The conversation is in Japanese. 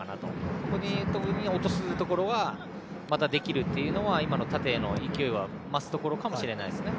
そこに落とすところができるというのは縦への勢いが増すところかもしれませんね。